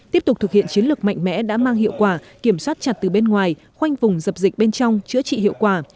tiếp tục thực hiện chiến lược mạnh mẽ đã mang hiệu quả kiểm soát chặt từ bên ngoài khoanh vùng dập dịch bên trong chữa trị hiệu quả